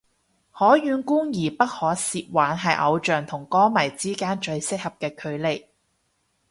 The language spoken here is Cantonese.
可遠觀而不可褻玩係偶像同歌迷之間最適當嘅距離